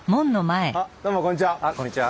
あどうもこんにちは。